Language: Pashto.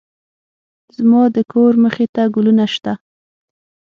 زما د کور مخې ته ګلونه شته